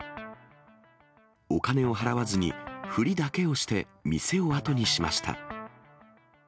お金を払わずに、ふりだけをして、店を後にしました。